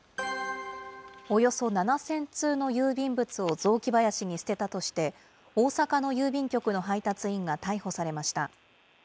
およそ７０００通の郵便物を雑木林に捨てたとして、大阪の郵便局の配達員が逮捕されました。